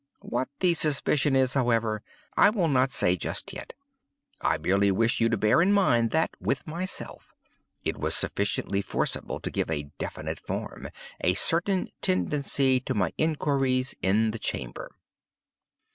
What the suspicion is, however, I will not say just yet. I merely wish you to bear in mind that, with myself, it was sufficiently forcible to give a definite form—a certain tendency—to my inquiries in the chamber.